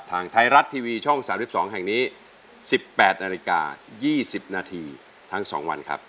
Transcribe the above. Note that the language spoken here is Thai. ทางไทยรัฐทีวีช่องสามสิบสองแห่งนี้สิบแปดนาฬิกายี่สิบนาทีทั้งสองวันครับ